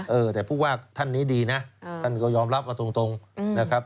เออแต่ผู้ว่าท่านนี้ดีนะท่านก็ยอมรับกันตรงนะครับ